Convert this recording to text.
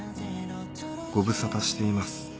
ご無沙汰しています。